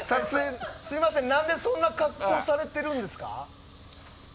すいません何でそういう格好されてるんですか。